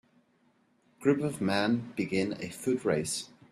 Group of men begin a foot race.